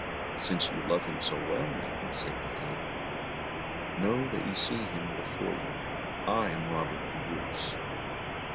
"Since you love him so well, madame," said the King, "know that you see him before you. I am Robert the Bruce."